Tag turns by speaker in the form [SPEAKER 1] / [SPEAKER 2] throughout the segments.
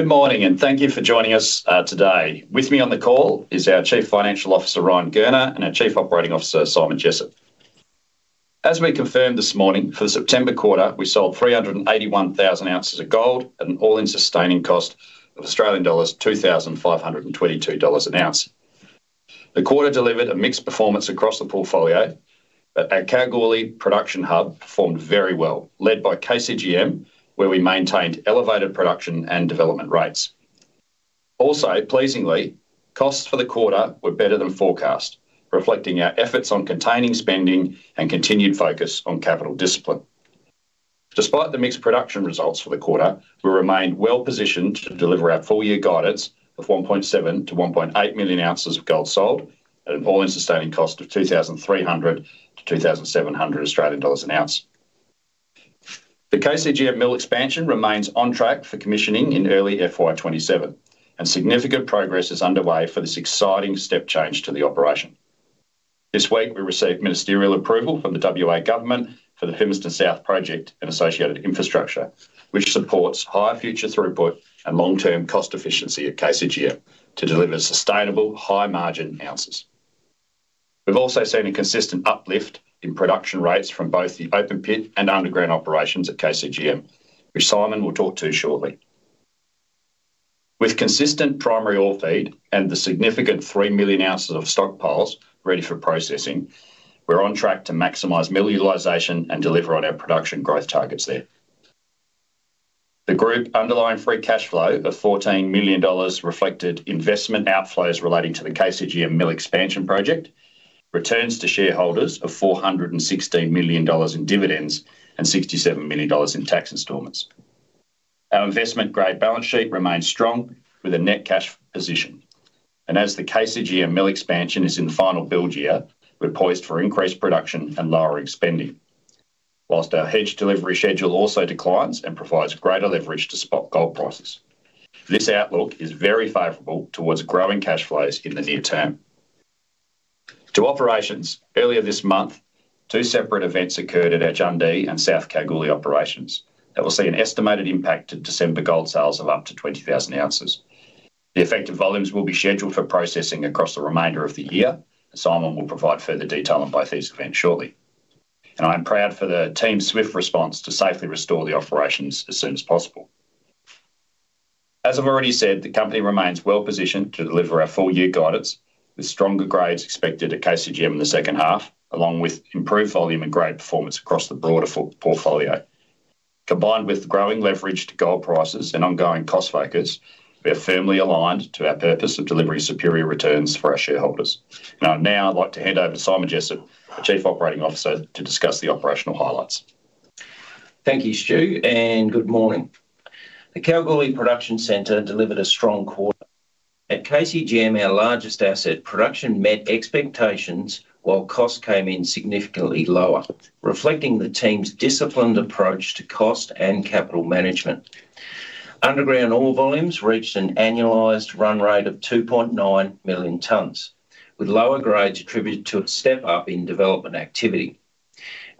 [SPEAKER 1] Good morning and thank you for joining us today. With me on the call is our Chief Financial Officer, Ryan Gurner, and our Chief Operating Officer, Simon Jessop. As we confirmed this morning, for the September quarter, we sold 381,000 ounces of gold at an all-in sustaining cost of Australian dollars 2,522 an ounce. The quarter delivered a mixed performance across the portfolio, but our Kalgoorlie production hub performed very well, led by KCGM, where we maintained elevated production and development rates. Also, pleasingly, costs for the quarter were better than forecast, reflecting our efforts on containing spending and continued focus on capital discipline. Despite the mixed production results for the quarter, we remained well positioned to deliver our full-year guidance of 1.7 million-1.8 million ounces of gold sold at an all-in sustaining cost of 2,300-2,700 Australian dollars an ounce. The KCGM mill expansion remains on track for commissioning in early FY 2027, and significant progress is underway for this exciting step change to the operation. This week, we received ministerial approval from the WA Government for the Fimiston South project and associated infrastructure, which supports high future throughput and long-term cost efficiency at KCGM to deliver sustainable, high-margin ounces. We've also seen a consistent uplift in production rates from both the open pit and underground operations at KCGM, which Simon will talk to shortly. With consistent primary ore feed and the significant 3 million ounces of stockpiles ready for processing, we're on track to maximize mill utilization and deliver on our production growth targets there. The group underlying free cash flow of AUD 14 million reflected investment outflows relating to the KCGM mill expansion project, returns to shareholders of 416 million dollars in dividends and 67 million dollars in tax installments. Our investment-grade balance sheet remains strong with a net cash position, and as the KCGM mill expansion is in the final build year, we're poised for increased production and lowering spending, whilst our hedge delivery schedule also declines and provides greater leverage to spot gold prices. This outlook is very favorable towards growing cash flows in the near term. To operations, earlier this month, two separate events occurred at Jardine and South Kalgoorlie operations that will see an estimated impact to December gold sales of up to 20,000 ounces. The effective volumes will be scheduled for processing across the remainder of the year, and Simon will provide further detail on both these events shortly. I'm proud of the team's swift response to safely restore the operations as soon as possible. As I've already said, the company remains well positioned to deliver our full-year guidance, with stronger grades expected at KCGM in the second half, along with improved volume and grade performance across the broader portfolio. Combined with the growing leverage to gold prices and ongoing cost focus, we are firmly aligned to our purpose of delivering superior returns for our shareholders. Now, I'd like to hand over to Simon Jessop, our Chief Operating Officer, to discuss the operational highlights.
[SPEAKER 2] Thank you, Stu, and good morning. The Kalgoorlie production centre delivered a strong quarter. At KCGM, our largest asset, production met expectations while costs came in significantly lower, reflecting the team's disciplined approach to cost and capital management. Underground ore volumes reached an annualized run rate of 2.9 million tonnes, with lower grades attributed to a step up in development activity.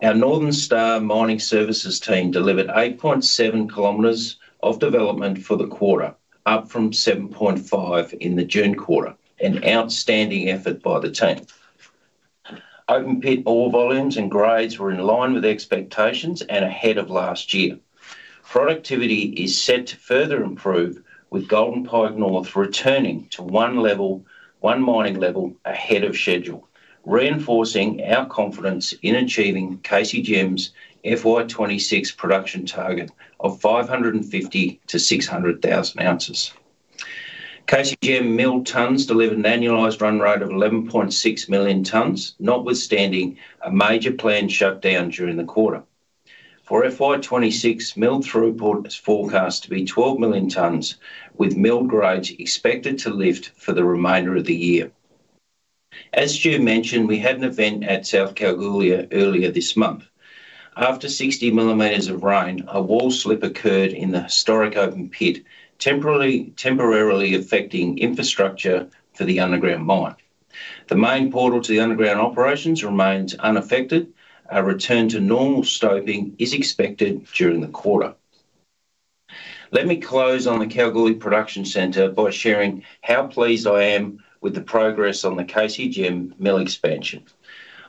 [SPEAKER 2] Our Northern Star Mining Services team delivered 8.7 km of development for the quarter, up from 7.5 km in the June quarter, an outstanding effort by the team. Open pit ore volumes and grades were in line with expectations and ahead of last year. Productivity is set to further improve, with Golden Pike North returning to one mining level ahead of schedule, reinforcing our confidence in achieving KCGM's FY 2026 production target of 550,000 ounces-600,000 ounces. KCGM mill tonnes delivered an annualized run rate of 11.6 million tonnes, notwithstanding a major planned shutdown during the quarter. For FY 2026, mill throughput is forecast to be 12 million tonnes, with mill grades expected to lift for the remainder of the year. As Stu mentioned, we had an event at South Kalgoorlie earlier this month. After 60 millimeters of rain, a wall slip occurred in the historic open pit, temporarily affecting infrastructure for the underground mine. The main portal to the underground operations remains unaffected. A return to normal stoking is expected during the quarter. Let me close on the Kalgoorlie production centre by sharing how pleased I am with the progress on the KCGM mill expansion.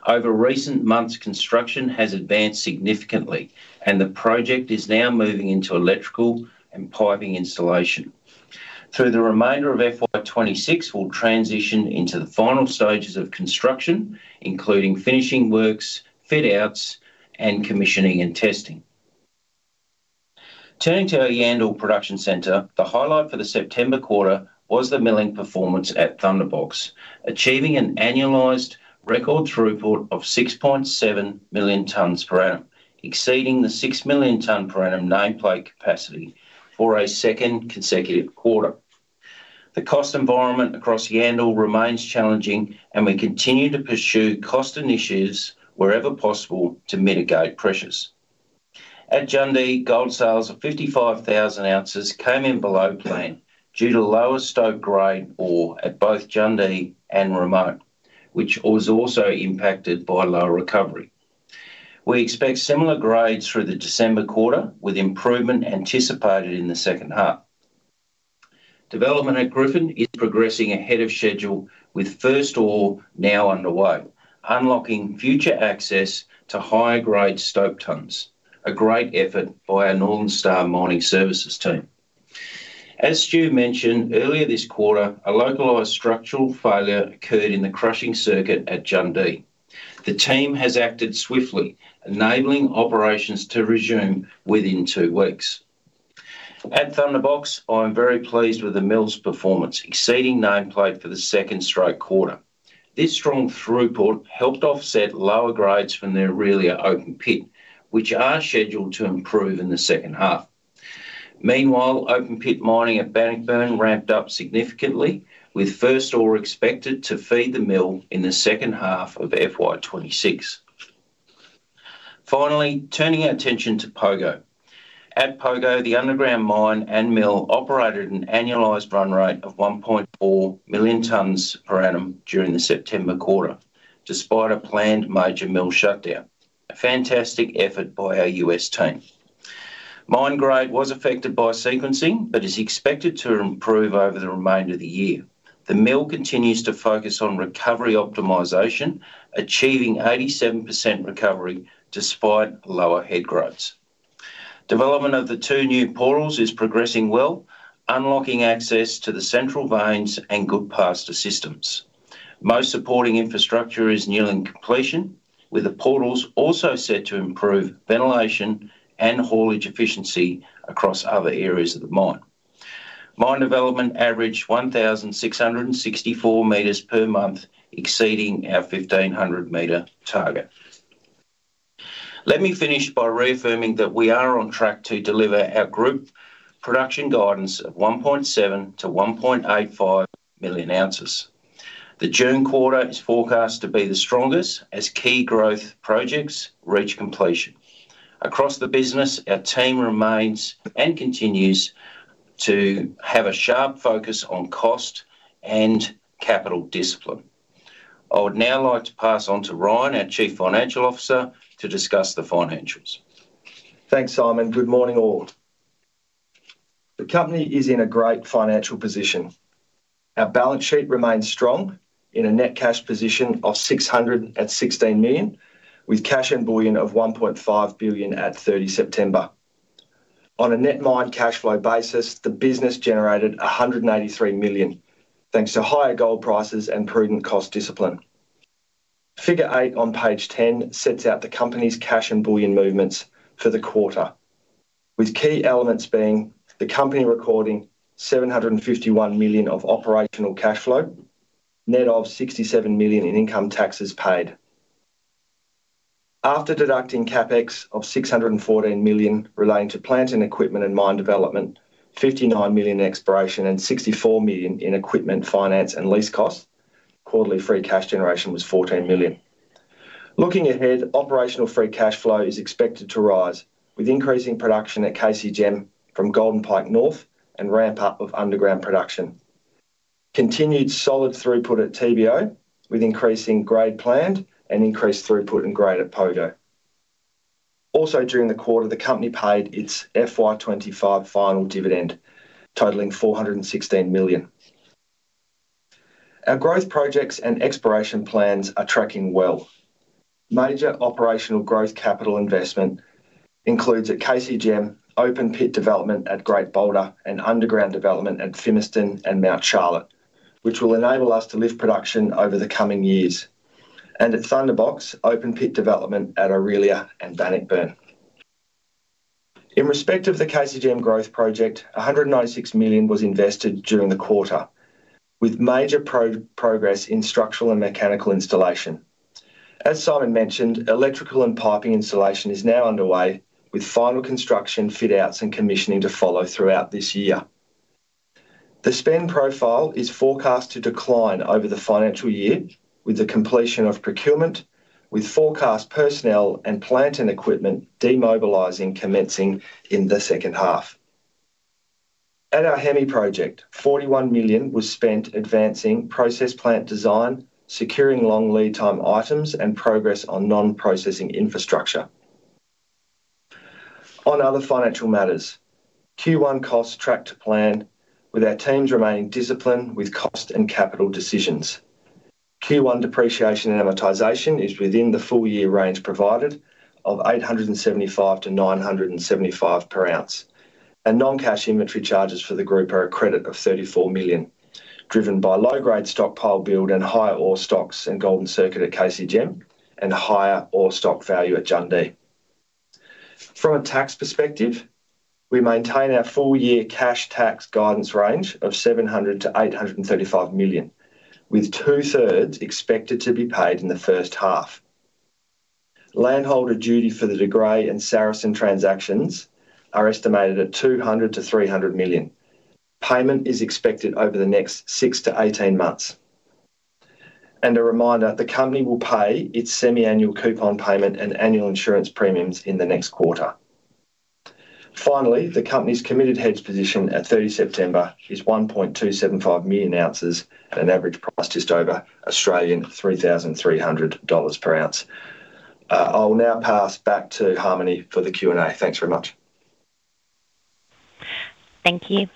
[SPEAKER 2] Over recent months, construction has advanced significantly, and the project is now moving into electrical and piping installation. Through the remainder of FY 2026, we'll transition into the final stages of construction, including finishing works, fit-outs, and commissioning and testing. Turning to our Yandal production centre, the highlight for the September quarter was the milling performance at Thunderbox, achieving an annualized record throughput of 6.7 million tonnes per annum, exceeding the 6 million tonnes per annum nameplate capacity for a second consecutive quarter. The cost environment across Yandal remains challenging, and we continue to pursue cost initiatives wherever possible to mitigate pressures. At Jundee, gold sales of 55,000 ounces came in below plan due to lower stope grade ore at both Jundee and Ramone, which was also impacted by lower recovery. We expect similar grades through the December quarter, with improvement anticipated in the second half. Development at Griffin is progressing ahead of schedule, with first ore now underway, unlocking future access to higher grade stope tonnes, a great effort by our Northern Star Mining Services team. As Stu mentioned, earlier this quarter, a localized structural failure occurred in the crushing circuit at Jundee. The team has acted swiftly, enabling operations to resume within two weeks. At Thunderbox, I'm very pleased with the mill's performance, exceeding nameplate for the second straight quarter. This strong throughput helped offset lower grades from their earlier open pit, which are scheduled to improve in the second half. Meanwhile, open pit mining at Bannockburn ramped up significantly, with first ore expected to feed the mill in the second half of FY 2026. Finally, turning our attention to Pogo. At Pogo, the underground mine and mill operated an annualized run rate of 1.4 million tonnes per annum during the September quarter, despite a planned major mill shutdown, a fantastic effort by our U.S. team. Mine grade was affected by sequencing but is expected to improve over the remainder of the year. The mill continues to focus on recovery optimization, achieving 87% recovery despite lower head grades. Development of the two new portals is progressing well, unlocking access to the central veins and good pasta systems. Most supporting infrastructure is nearing completion, with the portals also set to improve ventilation and haulage efficiency across other areas of the mine. Mine development averaged 1,664 meters per month, exceeding our 1,500 meter target. Let me finish by reaffirming that we are on track to deliver our group production guidance of 1.7 million-1.85 million ounces. The June quarter is forecast to be the strongest, as key growth projects reach completion. Across the business, our team remains and continues to have a sharp focus on cost and capital discipline. I would now like to pass on to Ryan, our Chief Financial Officer, to discuss the financials.
[SPEAKER 3] Thanks, Simon. Good morning all. The company is in a great financial position. Our balance sheet remains strong in a net cash position of 616 million, with cash equivalent of 1.5 billion at 30 September. On a net mined cash flow basis, the business generated AUD 183 million, thanks to higher gold prices and prudent cost discipline. Figure 8 on page 10 sets out the company's cash equivalent movements for the quarter, with key elements being the company recording 751 million of operational cash flow, net of 67 million in income taxes paid. After deducting CapEx of 614 million relating to plant and equipment and mine development, 59 million in exploration and 64 million in equipment, finance, and lease costs, quarterly free cash generation was 14 million. Looking ahead, operational free cash flow is expected to rise, with increasing production at KCGM from Golden Pike North and ramp-up of underground production. Continued solid throughput at TBO, with increasing grade planned and increased throughput and grade at Pogo. Also, during the quarter, the company paid its FY 2015 final dividend, totaling 416 million. Our growth projects and exploration plans are tracking well. Major operational growth capital investment includes at KCGM, open pit development at Great Boulder and underground development at Fimiston and Mount Charlotte, which will enable us to lift production over the coming years, and at Thunderbox, open pit development at Aurelia and Bannockburn. In respect of the KCGM growth project, 196 million was invested during the quarter, with major progress in structural and mechanical installation. As Simon mentioned, electrical and piping installation is now underway, with final construction, fit-outs, and commissioning to follow throughout this year. The spend profile is forecast to decline over the financial year, with the completion of procurement, with forecast personnel and plant and equipment demobilizing commencing in the second half. At our Hemi project, AUD 41 million was spent advancing process plant design, securing long lead time items, and progress on non-processing infrastructure. On other financial matters, Q1 costs track to plan, with our teams remaining disciplined with cost and capital decisions. Q1 depreciation and amortization is within the full-year range provided of 875-975 per ounce, and non-cash inventory charges for the group are a credit of A$34 million, driven by low-grade stockpile build and high ore stocks in the Golden Circuit at KCGM and a higher ore stock value at Jundee. From a tax perspective, we maintain our full-year cash tax guidance range of 700 million-835 million, with two-thirds expected to be paid in the first half. Landholder duty for the DeGrussa and Saracen transactions are estimated at 200 million-300 million. Payment is expected over the next 6 to 18 months. A reminder, the company will pay its semi-annual coupon payment and annual insurance premiums in the next quarter. Finally, the company's committed hedge position at 30 September is 1.275 million ounces, at an average price just over 3,300 Australian dollars per ounce. I will now pass back to Harmony for the Q&A. Thanks very much.
[SPEAKER 4] Thank you.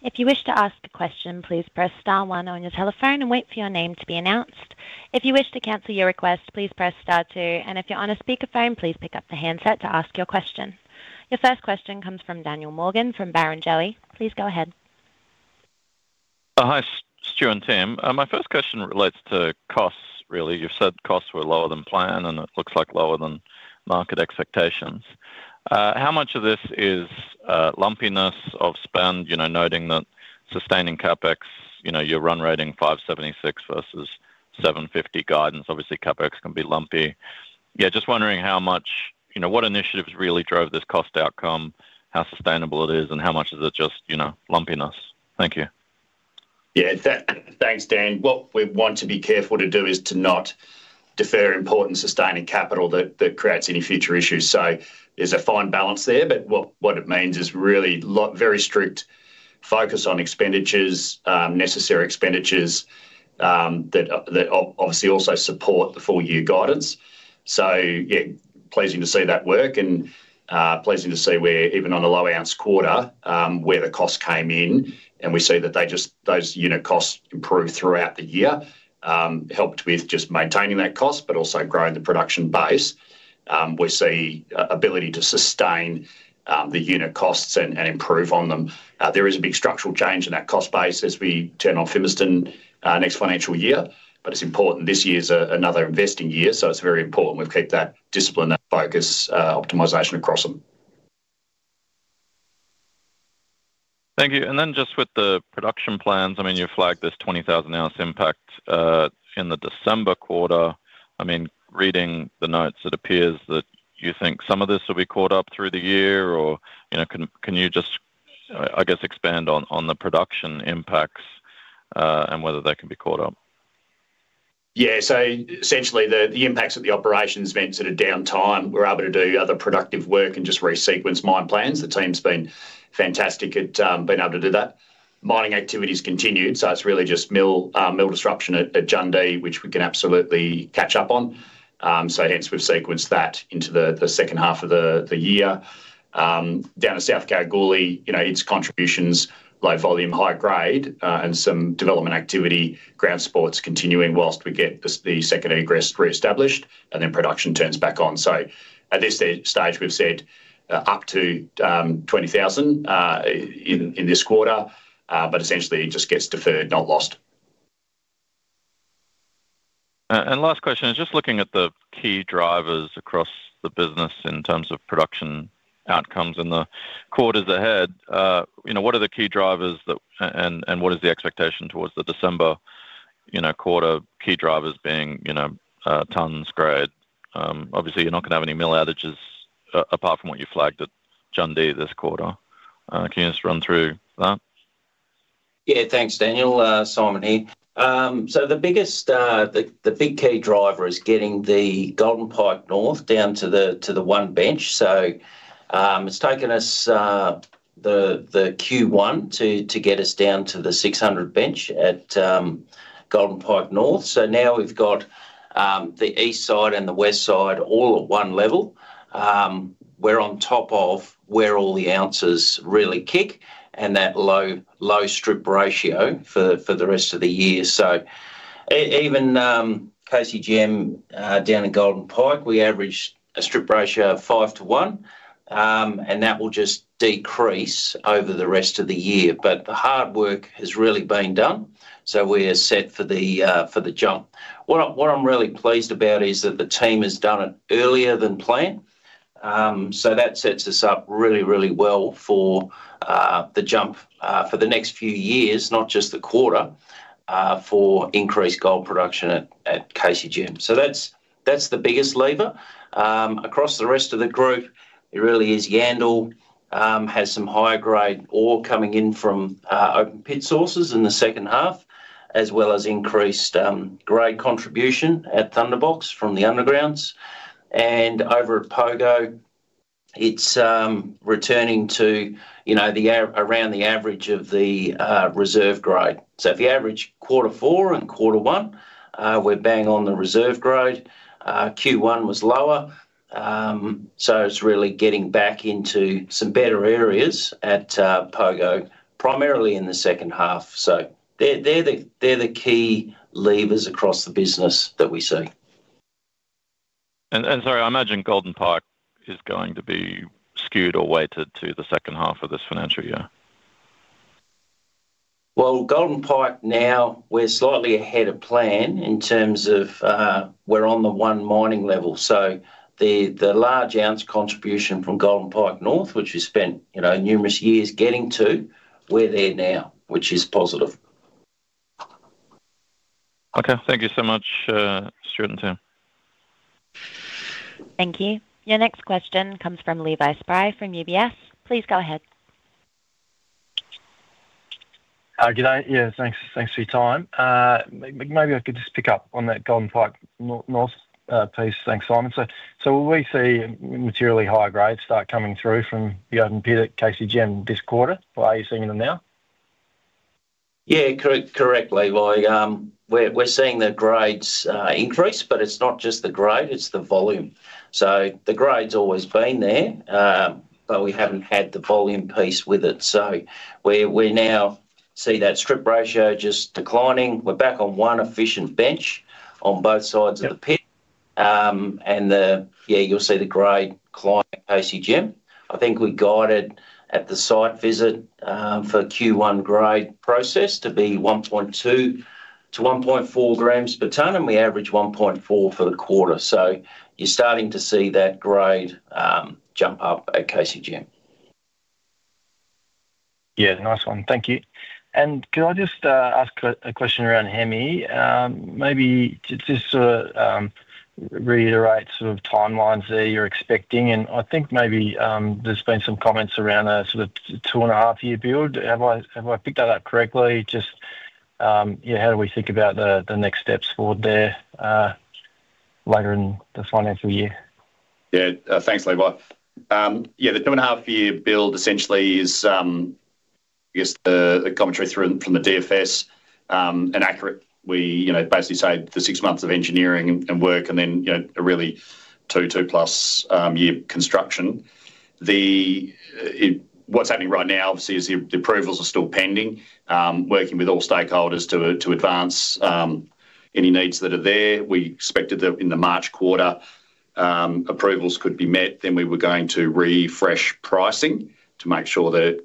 [SPEAKER 4] If you wish to ask a question, please press star one on your telephone and wait for your name to be announced. If you wish to cancel your request, please press star two, and if you're on a speaker phone, please pick up the handset to ask your question. Your first question comes from Daniel Morgan from Barrenjoey. Please go ahead.
[SPEAKER 5] Hi, Stu and team. My first question relates to costs, really. You've said costs were lower than planned, and it looks like lower than market expectations. How much of this is lumpiness of spend, noting that sustaining CapEx, you're run rating 576 million versus 750 million guidance. Obviously, CapEx can be lumpy. I'm just wondering how much, what initiatives really drove this cost outcome, how sustainable it is, and how much is it just lumpiness? Thank you.
[SPEAKER 1] Yeah, thanks, Dan. What we want to be careful to do is to not defer important sustaining capital that creates any future issues. There's a fine balance there, but what it means is really a very strict focus on expenditures, necessary expenditures that obviously also support the full-year guidance. Yeah, pleasing to see that work and pleasing to see where even on a low ounce quarter where the costs came in, and we see that they just, those unit costs improved throughout the year, helped with just maintaining that cost but also growing the production base. We see the ability to sustain the unit costs and improve on them. There is a big structural change in that cost base as we turn on Fimiston next financial year, but it's important this year's another investing year, so it's very important we keep that discipline, that focus, optimization across them.
[SPEAKER 5] Thank you. Just with the production plans, you flagged this 20,000 ounce impact in the December quarter. Reading the notes, it appears that you think some of this will be caught up through the year. Can you expand on the production impacts and whether they can be caught up?
[SPEAKER 1] Yeah, so essentially the impacts of the operations meant sort of downtime. We're able to do other productive work and just re-sequence mine plans. The team's been fantastic at being able to do that. Mining activities continued, so it's really just mill disruption at Jundee, which we can absolutely catch up on. Hence, we've sequenced that into the second half of the year. Down at South Kalgoorlie, you know, it's contributions, low volume, high grade, and some development activity, ground support continuing whilst we get the second egress reestablished, and then production turns back on. At this stage, we've said up to 20,000 in this quarter, but essentially it just gets deferred, not lost.
[SPEAKER 5] Last question, just looking at the key drivers across the business in terms of production outcomes in the quarters ahead, what are the key drivers and what is the expectation towards the December quarter? Key drivers being tonnes, grade. Obviously, you're not going to have any mill outages apart from what you flagged at Jundee this quarter. Can you just run through that?
[SPEAKER 2] Yeah, thanks, Daniel. Simon here. The big key driver is getting the Golden Pike North down to the one bench. It's taken us the Q1 to get us down to the 600 bench at Golden Pike North. Now we've got the east side and the west side all at one level. We're on top of where all the ounces really kick and that low strip ratio for the rest of the year. Even KCGM down at Golden Pike, we averaged a strip ratio of 5:1, and that will just decrease over the rest of the year. The hard work has really been done, so we are set for the jump. What I'm really pleased about is that the team has done it earlier than planned. That sets us up really, really well for the jump for the next few years, not just the quarter, for increased gold production at KCGM. That's the biggest lever. Across the rest of the group, it really is Yandal has some higher grade ore coming in from open pit sources in the second half, as well as increased grade contribution at Thunderbox from the undergrounds. Over at Pogo, it's returning to around the average of the reserve grade. If you average quarter four and quarter one, we're bang on the reserve grade. Q1 was lower, so it's really getting back into some better areas at Pogo, primarily in the second half. They're the key levers across the business that we see.
[SPEAKER 5] I imagine Golden Pike is going to be skewed or weighted to the second half of this financial year.
[SPEAKER 2] Golden Pike now, we're slightly ahead of plan in terms of we're on the one mining level. The large ounce contribution from Golden Pike North, which we spent, you know, numerous years getting to, we're there now, which is positive.
[SPEAKER 5] Okay, thank you so much, Stu and team.
[SPEAKER 4] Thank you. Your next question comes from Levi Spry from UBS. Please go ahead.
[SPEAKER 6] Good day. Yeah, thanks for your time. Maybe I could just pick up on that Golden Pike North piece. Thanks, Simon. Will we see materially higher grades start coming through from the open pit at KCGM this quarter? Are you seeing them now?
[SPEAKER 2] Yeah, correctly. Like we're seeing the grades increase, but it's not just the grade, it's the volume. The grade's always been there, but we haven't had the volume piece with it. We now see that strip ratio just declining. We're back on one efficient bench on both sides of the pit. You'll see the grade climb at KCGM. I think we guided at the site visit for Q1 grade processed to be 1.2 g-1.4 g per ton, and we averaged 1.4 for the quarter. You're starting to see that grade jump up at KCGM.
[SPEAKER 6] Yeah, nice one. Thank you. Could I just ask a question around Hemi? Maybe just to sort of reiterate sort of timelines there you're expecting. I think maybe there's been some comments around a sort of two and a half year build. Have I picked that up correctly? Just, yeah, how do we think about the next steps forward there later in the financial year?
[SPEAKER 1] Yeah, thanks, Levi. Yeah, the two and a half year build essentially is, I guess, the commentary from the DFS and accurate. We basically say the six months of engineering and work and then, you know, a really two-plus year construction. What's happening right now, obviously, is the approvals are still pending, working with all stakeholders to advance any needs that are there. We expected that in the March quarter, approvals could be met. We were going to refresh pricing to make sure that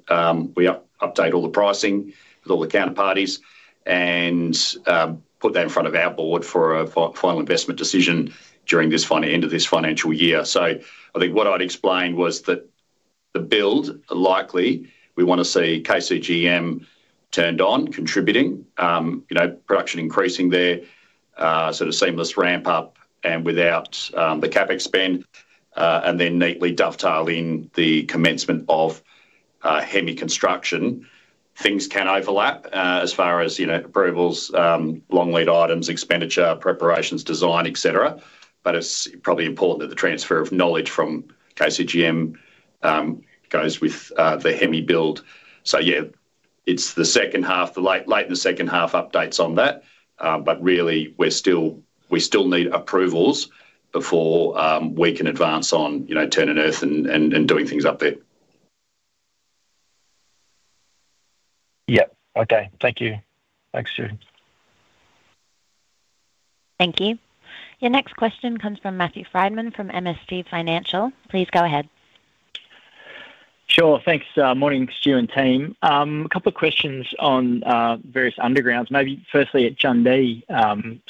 [SPEAKER 1] we update all the pricing with all the counterparties and put that in front of our board for a final investment decision during the end of this financial year. I think what I'd explained was that the build, likely, we want to see KCGM turned on, contributing, you know, production increasing there, sort of seamless ramp-up and without the CapEx spend, and then neatly dovetail in the commencement of Hemi construction. Things can overlap as far as, you know, approvals, long lead items, expenditure, preparations, design, etc. It's probably important that the transfer of knowledge from KCGM goes with the Hemi build. Yeah, it's the second half, the late in the second half updates on that. We still need approvals before we can advance on, you know, turning earth and doing things up there.
[SPEAKER 6] Yeah, okay. Thank you. Thanks, Stu.
[SPEAKER 4] Thank you. Your next question comes from Matthew Frydman from MST Financial. Please go ahead.
[SPEAKER 7] Sure, thanks. Morning, Stu and team. A couple of questions on various undergrounds. Maybe firstly at Jundee,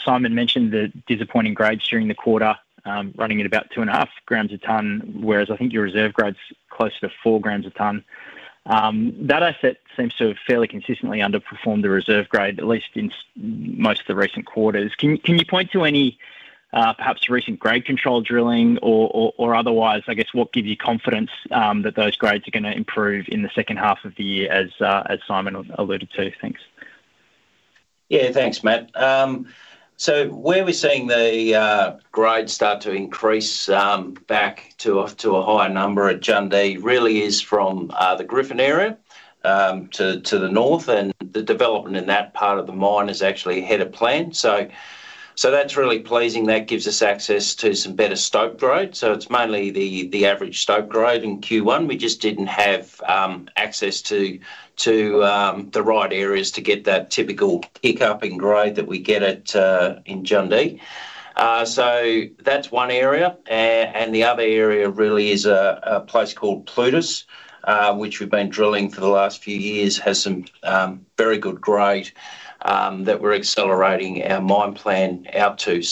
[SPEAKER 7] Simon mentioned the disappointing grades during the quarter, running at about 2.5 g a ton, whereas I think your reserve grade's closer to 4 g a ton. That asset seems to have fairly consistently underperformed the reserve grade, at least in most of the recent quarters. Can you point to any perhaps recent grade control drilling or otherwise, I guess, what gives you confidence that those grades are going to improve in the second half of the year, as Simon alluded to? Thanks.
[SPEAKER 2] Yeah, thanks, Matt. Where we're seeing the grade start to increase back to a higher number at Jundee really is from the Griffin area to the north, and the development in that part of the mine is actually ahead of plan. That's really pleasing. That gives us access to some better stope grade. It's mainly the average stope grade in Q1. We just didn't have access to the right areas to get that typical pickup in grade that we get in Jundee. That's one area. The other area really is a place called Plutus, which we've been drilling for the last few years, has some very good grade that we're accelerating our mine plan out to.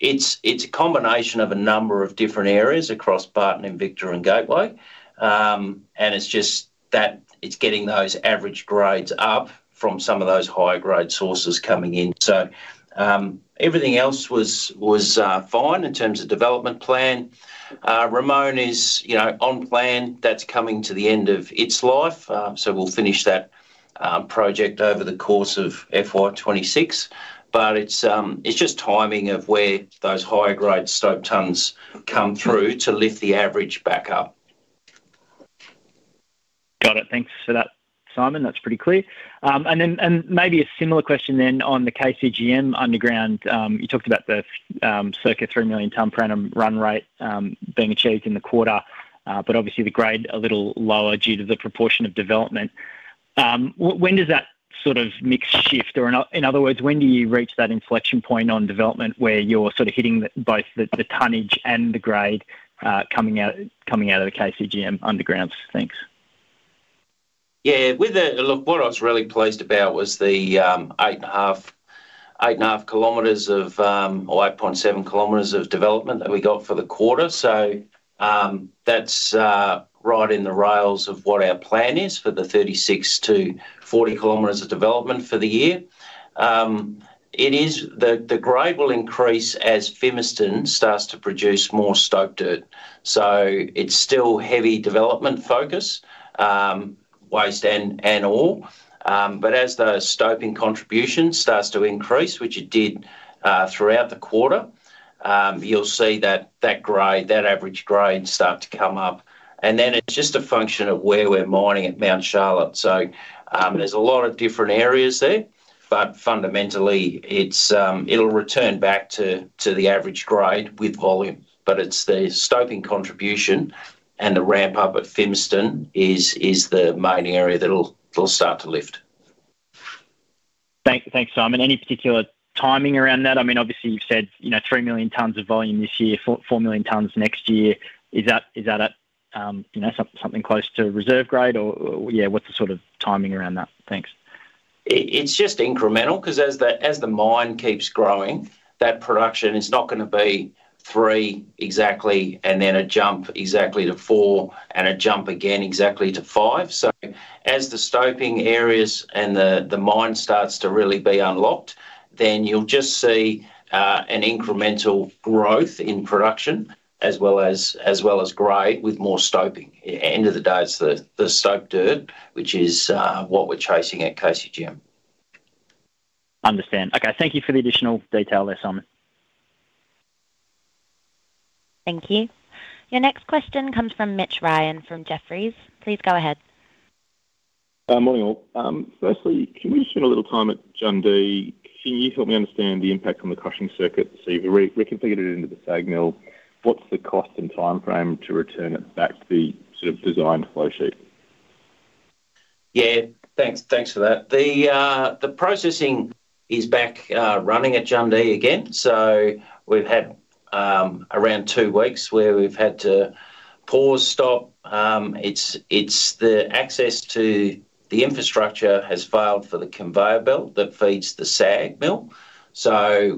[SPEAKER 2] It's a combination of a number of different areas across Barton & Victor and Gateway. It's just that it's getting those average grades up from some of those higher grade sources coming in. Everything else was fine in terms of development plan. Ramone is on plan. That's coming to the end of its life. We'll finish that project over the course of FY 2026. It's just timing of where those higher grade stope tons come through to lift the average back up.
[SPEAKER 7] Got it. Thanks for that, Simon. That's pretty clear. Maybe a similar question then on the KCGM underground. You talked about the circa 3 million tonnes per annum run rate being achieved in the quarter, but obviously the grade a little lower due to the proportion of development. When does that sort of mix shift, or in other words, when do you reach that inflection point on development where you're sort of hitting both the tonnage and the grade coming out of the KCGM undergrounds? Thanks.
[SPEAKER 2] Yeah, with it, a lot of what I was really pleased about was the eight and a half kilometers of, or 8.7 km of development that we got for the quarter. That's right in the rails of what our plan is for the 36 km-40 km of development for the year. The grade will increase as Fimiston starts to produce more stope dirt. It's still heavy development focus, waste and ore. As the stope contribution starts to increase, which it did throughout the quarter, you'll see that grade, that average grade, start to come up. It's just a function of where we're mining at Mount Charlotte. There are a lot of different areas there, but fundamentally, it'll return back to the average grade with volume. The stope contribution and the ramp-up at Fimiston is the main area that'll start to lift.
[SPEAKER 7] Thanks, Simon. Any particular timing around that? I mean, obviously you've said 3 million tonnes of volume this year, 4 million tonnes next year. Is that at something close to reserve grade, or what's the sort of timing around that? Thanks.
[SPEAKER 2] It's just incremental because as the mine keeps growing, that production, it's not going to be three exactly and then a jump exactly to four and a jump again exactly to five. As the stope areas and the mine start to really be unlocked, you'll just see an incremental growth in production as well as grade with more stoping. At the end of the day, it's the stope dirt, which is what we're chasing at KCGM.
[SPEAKER 7] Understand. Okay, thank you for the additional detail there, Simon.
[SPEAKER 4] Thank you. Your next question comes from Mitch Ryan from Jefferies. Please go ahead.
[SPEAKER 8] Morning all. Firstly, can we just spend a little time at Jundee? Can you help me understand the impact on the crushing circuit? You've reconfigured it into the SAG mill. What's the cost and timeframe to return it back to the sort of design flow sheet?
[SPEAKER 2] Yeah, thanks for that. The processing is back running at Jundee again. We've had around two weeks where we've had to pause, stop. It's the access to the infrastructure that has failed for the conveyor belt that feeds the SAG mill.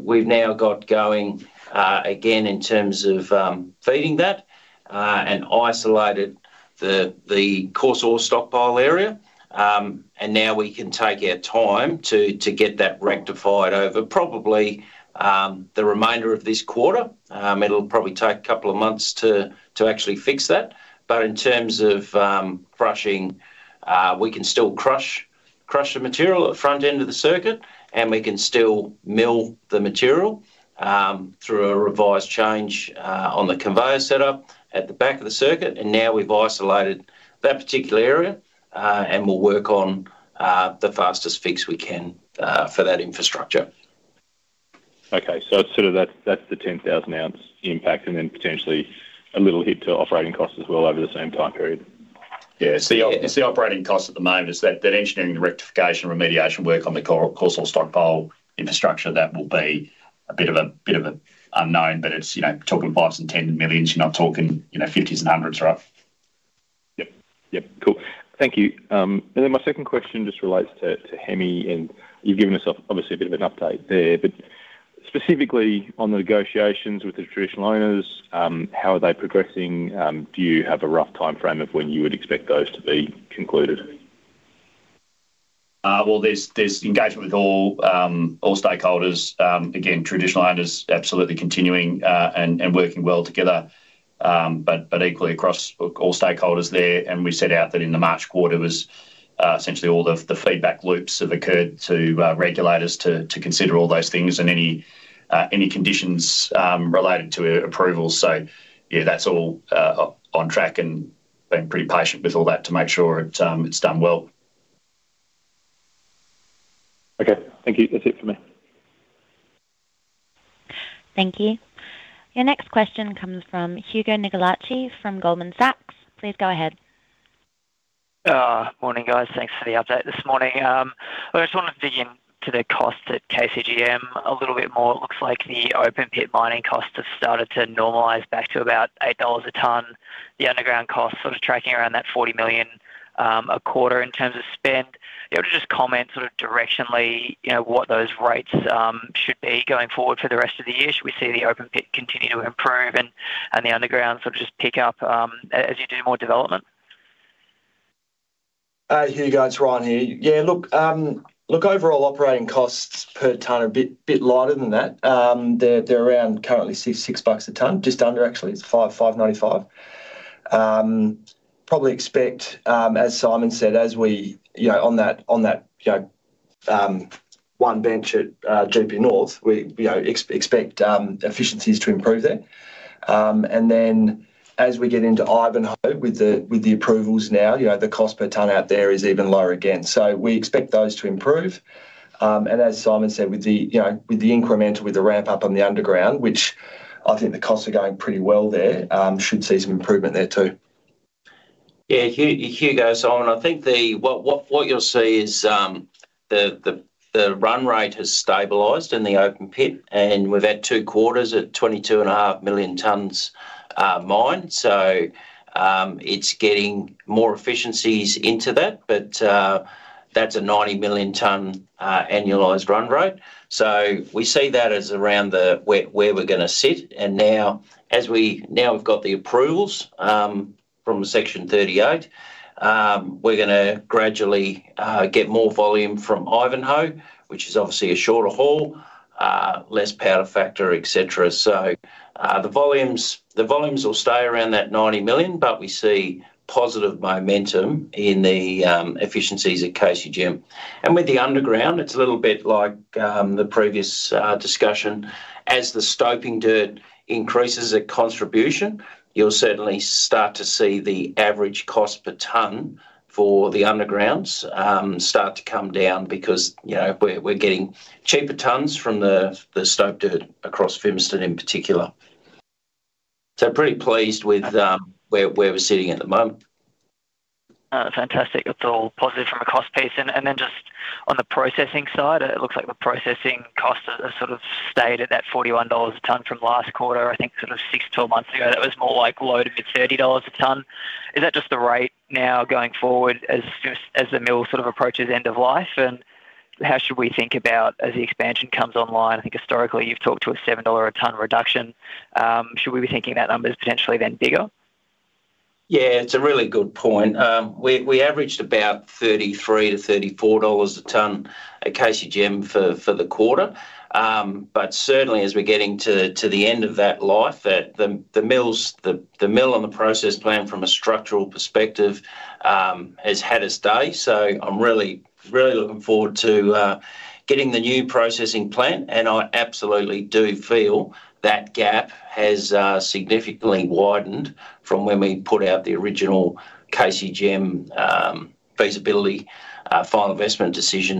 [SPEAKER 2] We've now got going again in terms of feeding that and isolated the coarse ore stockpile area. Now we can take our time to get that rectified over probably the remainder of this quarter. It'll probably take a couple of months to actually fix that. In terms of crushing, we can still crush the material at the front end of the circuit and we can still mill the material through a revised change on the conveyor setup at the back of the circuit. Now we've isolated that particular area and we'll work on the fastest fix we can for that infrastructure.
[SPEAKER 8] Okay, so it's sort of that's the 10,000 ounce impact, and then potentially a little hit to operating costs as well over the same time period.
[SPEAKER 1] Yeah, it's the operating cost at the moment. It's that engineering rectification and remediation work on the coarse ore stockpile infrastructure. That will be a bit of an unknown, but it's, you know, talking 5 million and 10 million. You're not talking, you know, AUD 50 million and AUD 100 million, right?
[SPEAKER 8] Thank you. My second question just relates to Hemi, and you've given us obviously a bit of an update there, but specifically on the negotiations with the traditional owners, how are they progressing? Do you have a rough timeframe of when you would expect those to be concluded?
[SPEAKER 1] There is engagement with all stakeholders. Traditional owners are absolutely continuing and working well together, but equally across all stakeholders there. We set out that in the March quarter, essentially all the feedback loops have occurred to regulators to consider all those things and any conditions related to approvals. That is all on track and being pretty patient with all that to make sure it's done well.
[SPEAKER 8] Okay, thank you. That's it for me.
[SPEAKER 4] Thank you. Your next question comes from Hugo Nicolaci from Goldman Sachs. Please go ahead.
[SPEAKER 9] Morning guys, thanks for the update this morning. I just want to dig into the costs at KCGM a little bit more. It looks like the open pit mining costs have started to normalize back to about 8 dollars a ton. The underground costs are tracking around that 40 million a quarter in terms of spend. Able to just comment sort of directionally, you know, what those rates should be going forward for the rest of the year? Should we see the open pit continue to improve and the underground sort of just pick up as you do more development?
[SPEAKER 3] Hugo's it's Ryan here. Yeah, look, overall operating costs per ton are a bit lighter than that. They're around currently 6 bucks a ton, just under actually 5.95. Probably expect, as Simon said, as we, you know, on that one bench at GP North, we expect efficiencies to improve there. As we get into Ivanhoe with the approvals now, the cost per ton out there is even lower again. We expect those to improve. As Simon said, with the incremental, with the ramp-up on the underground, which I think the costs are going pretty well there, should see some improvement there too.
[SPEAKER 2] Yeah, Hugo, I think what you'll see is the run rate has stabilized in the open pit, and we've had two quarters at 22.5 million tonnes mined. It's getting more efficiencies into that, but that's a 90 million tonnes annualized run rate. We see that as around where we're going to sit. Now, as we have got the approvals from Section 38, we're going to gradually get more volume from Ivanhoe, which is obviously a shorter haul, less power to factor, etc. The volumes will stay around that 90 million, but we see positive momentum in the efficiencies at KCGM. With the underground, it's a little bit like the previous discussion. As the stoking dirt increases at contribution, you'll certainly start to see the average cost per ton for the undergrounds start to come down because we're getting cheaper tonnes from the stoked dirt across Fimiston in particular. Pretty pleased with where we're sitting at the moment.
[SPEAKER 9] Fantastic. It's all positive from a cost piece. On the processing side, it looks like the processing costs have sort of stayed at that 41 dollars a ton from last quarter. I think 6 to 12 months ago, that was more like low to mid 30 dollars a ton. Is that just the rate now going forward as soon as the mill sort of approaches end of life? How should we think about as the expansion comes online? I think historically you've talked to a 7 dollar a ton reduction. Should we be thinking that number is potentially then bigger?
[SPEAKER 2] Yeah, it's a really good point. We averaged about 33-34 dollars a ton at KCGM for the quarter. Certainly, as we're getting to the end of that life, the mills and the process plant from a structural perspective has had its day. I'm really, really looking forward to getting the new processing plant. I absolutely do feel that gap has significantly widened from when we put out the original KCGM feasibility final investment decision.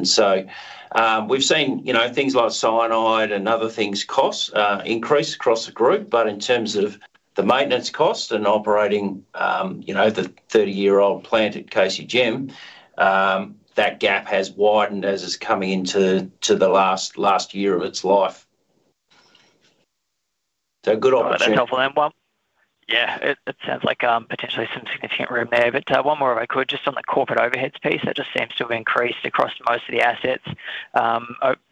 [SPEAKER 2] We've seen things like cyanide and other things cost increase across the group. In terms of the maintenance cost and operating the 30-year-old plant at KCGM, that gap has widened as it's coming into the last year of its life.
[SPEAKER 9] That's helpful. Yeah, it sounds like potentially some significant room there. One more if I could, just on the corporate overheads piece, that just seems to have increased across most of the assets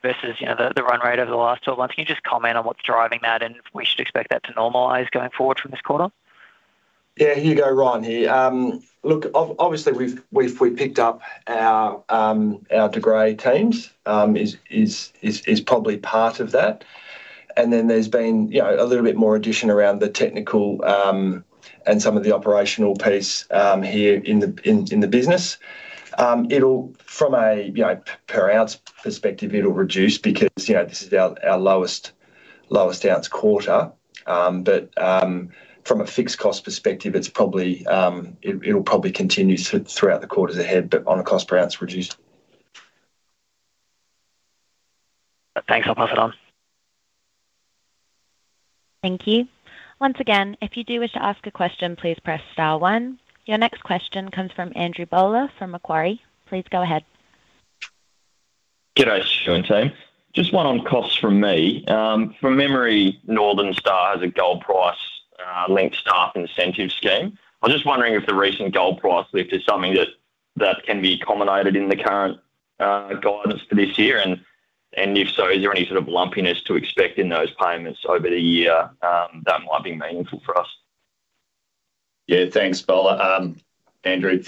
[SPEAKER 9] versus the run rate over the last 12 months. Can you just comment on what's driving that and if we should expect that to normalize going forward from this quarter?
[SPEAKER 3] Yeah, Hugo, Ryan here. Obviously we've picked up our degrade teams, is probably part of that. There's been a little bit more addition around the technical and some of the operational piece here in the business. From a per ounce perspective, it'll reduce because this is our lowest ounce quarter. From a fixed cost perspective, it'll probably continue throughout the quarters ahead, but on a cost per ounce reduced.
[SPEAKER 9] Thanks. I'll pass it on.
[SPEAKER 4] Thank you. Once again, if you do wish to ask a question, please press star one. Your next question comes from Andrew Gaballa from Macquarie. Please go ahead.
[SPEAKER 10] G'day, Stu and team. Just one on costs from me. From memory, Northern Star has a gold price linked to TAF incentive scheme. I was just wondering if the recent gold price lift is something that can be accommodated in the current guidance for this year. If so, is there any sort of lumpiness to expect in those payments over the year that might be meaningful for us?
[SPEAKER 1] Yeah, thanks, Bolla. Andrew,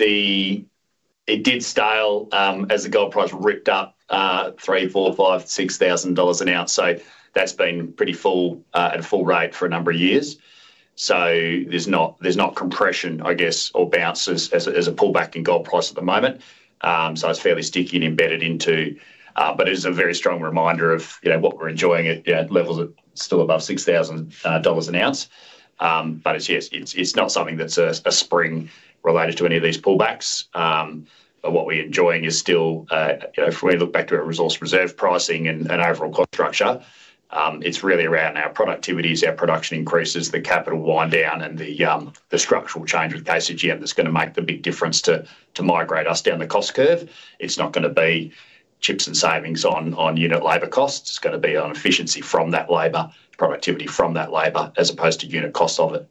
[SPEAKER 1] it did stale as the gold price ripped up 3,000, 4,000, 5,000, 6,000 dollars an ounce. That's been pretty full at a full rate for a number of years. There's not compression, I guess, or bounce as a pullback in gold price at the moment. It's fairly sticky and embedded into, but it is a very strong reminder of what we're enjoying at levels still above 6,000 dollars an ounce. Yes, it's not something that's a spring related to any of these pullbacks. What we're enjoying is still, if we look back to a resource reserve pricing and overall cost structure, it's really around our productivities, our production increases, the capital wind down, and the structural change with KCGM that's going to make the big difference to migrate us down the cost curve. It's not going to be chips and savings on unit labor costs. It's going to be on efficiency from that labor, productivity from that labor, as opposed to unit costs of it.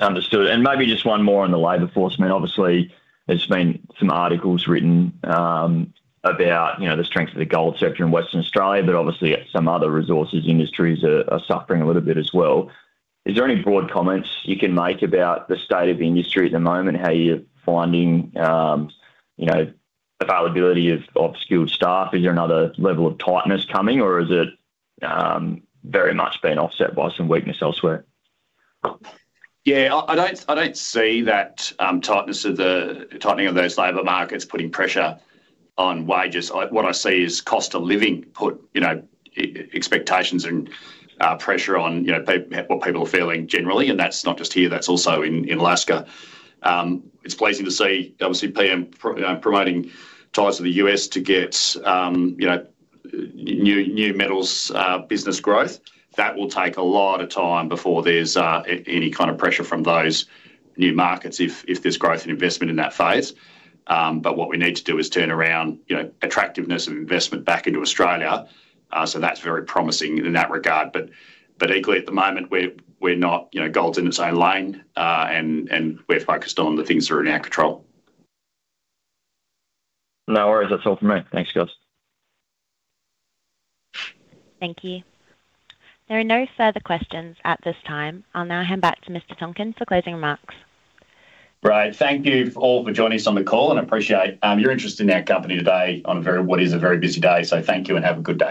[SPEAKER 10] Understood. Maybe just one more on the labor force. Obviously, there's been some articles written about the strength of the gold sector in Western Australia, but obviously, some other resources industries are suffering a little bit as well. Is there any broad comments you can make about the state of industry at the moment, how you're finding availability of skilled staff? Is there another level of tightness coming, or is it very much being offset by some weakness elsewhere?
[SPEAKER 1] Yeah, I don't see that tightening of those labor markets putting pressure on wages. What I see is cost of living put, you know, expectations and pressure on, you know, what people are feeling generally. That's not just here, that's also in Alaska. It's pleasing to see, obviously, PM promoting ties to the U.S. to get, you know, new metals business growth. That will take a lot of time before there's any kind of pressure from those new markets if there's growth in investment in that phase. What we need to do is turn around, you know, attractiveness of investment back into Australia. That's very promising in that regard. Equally, at the moment, we're not, you know, gold's in its own lane and we're focused on the things that are in our control.
[SPEAKER 10] No worries. That's all for me. Thanks, guys.
[SPEAKER 4] Thank you. There are no further questions at this time. I'll now hand back to Mr. Tonkin for closing remarks.
[SPEAKER 1] Right. Thank you all for joining us on the call, and I appreciate your interest in our company today on what is a very busy day. Thank you and have a good day.